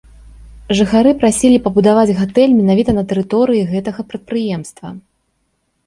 Жыхары прасілі пабудаваць гатэль менавіта на тэрыторыі гэтага прадпрыемства.